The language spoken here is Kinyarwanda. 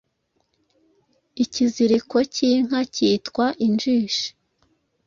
Ikiziriko cy’Inka cyitwa Injishi